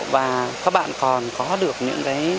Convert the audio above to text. và các bạn còn có được những cái